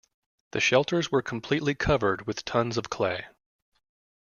The shelters were completely covered with tons of clay.